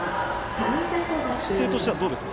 姿勢としてはどうですか。